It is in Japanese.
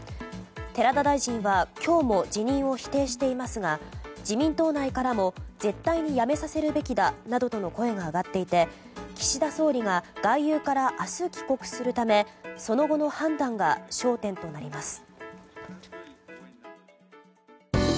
寺田大臣は今日も辞任を否定していますが自民党内からも絶対に辞めさせるべきだなどとの声が上がっていて岸田総理が外遊から明日帰国するためその後の判断が焦点となります。